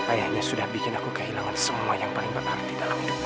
ayahnya sudah bikin aku kehilangan semua yang paling berarti dalam hidupku